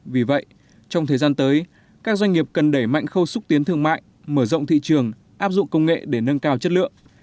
vì vậy trong thời gian tới các doanh nghiệp cần đẩy mạnh khâu xúc tiến thương mại mở rộng thị trường áp dụng công nghệ để nâng cao chất lượng